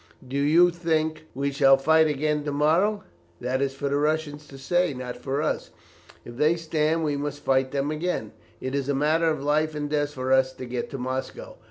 do you think we shall fight again to morrow?" "That is for the Russians to say, not for us. If they stand we must fight them again. It is a matter of life and death for us to get to Moscow.